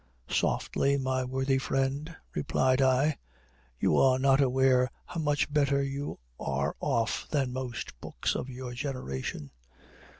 "Softly, my worthy friend," replied I, "you are not aware how much better you are off than most books of your generation.